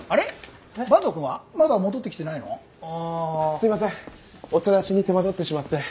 すいませんお茶出しに手間取ってしまって。